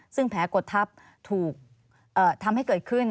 ซึ่งแผลกดทับถูกทำให้เกิดขึ้น